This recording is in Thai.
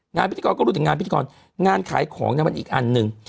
งานพิธีกรก็รู้แต่งานพิธีกรงานขายของมันอีกอันนึง